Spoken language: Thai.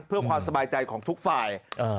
เพื่อความสบายใจของทุกฝ่าย